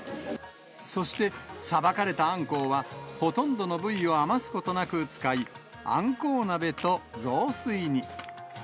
そして、さばかれたアンコウは、ほとんどの部位を余すことなく使い、アンコウ鍋と雑炊に。